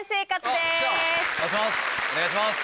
お願いします